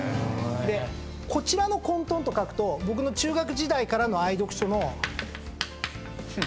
でこちらの混沌と書くと僕の中学時代からの愛読書の。